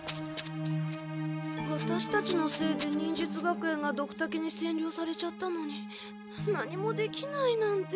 ワタシたちのせいで忍術学園がドクタケにせんりょうされちゃったのに何もできないなんて。